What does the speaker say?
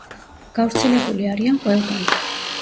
გავრცელებული არიან ყველგან.